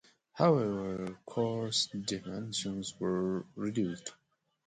However, course dimensions were reduced.